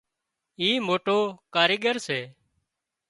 اي موٽو ڪاريڳر سي